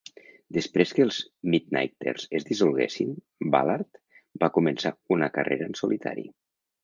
Després que els Midnighters es dissolguessin, Ballard va començar una carrera en solitari.